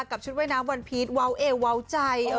กับชุดว่ายน้ำวันพีชเว้าเอเว้าใจ